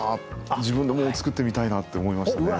自分でもう作ってみたいなって思いましたね。